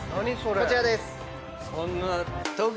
こちらです。